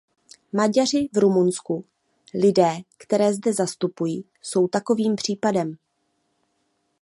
Maďaři v Rumunsku, lidé, které zde zastupuji, jsou takovým případem.